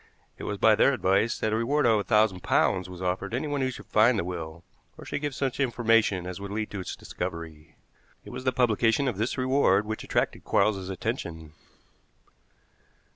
It was by their advice that a reward of a thousand pounds was offered to anyone who should find the will, or should give such information as would lead to its discovery. It was the publication of this reward which attracted Quarles's attention.